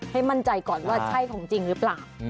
ให้มั่นใจก่อนว่าใช่ของจริงหรือเปล่า